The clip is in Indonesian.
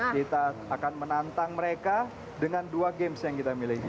kita akan menantang mereka dengan dua games yang kita miliki